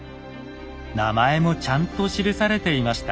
名前もちゃんと記されていました。